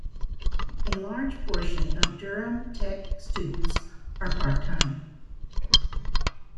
A large portion of Durham Tech students are part-time.